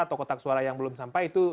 atau kotak suara yang belum sampai itu